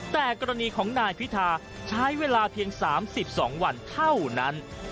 แต่กรณีของนายพิธาใช้เวลาเพียง๓๒วันเท่านั้น